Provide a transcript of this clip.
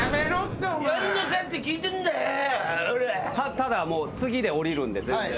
ただもう次で降りるんで全然。